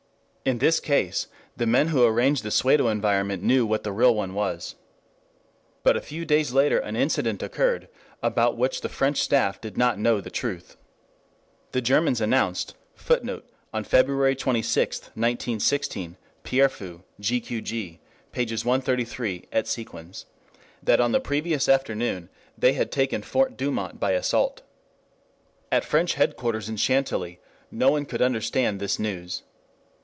In this case the men who arranged the pseudo environment knew what the real one was. But a few days later an incident occurred about which the French Staff did not know the truth. The Germans announced [Footnote: On February 26, 1916. Pierrefeu, G. Q. G., pp. 133 et seq.] that on the previous afternoon they had taken Fort Douaumont by assault. At French headquarters in Chantilly no one could understand this news.